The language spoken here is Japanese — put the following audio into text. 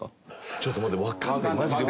ちょっと待ってわかんねえマジで。